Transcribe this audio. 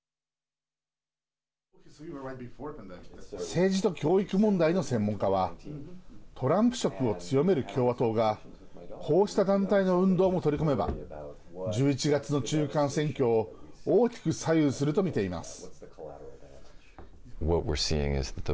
政治と教育問題の専門家はトランプ色を強める共和党がこうした団体の運動も取り込めば１１月の中間選挙を大きく左右するとみています。